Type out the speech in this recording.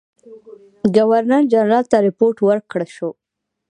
ګورنر جنرال ته رپوټ ورکړه شو.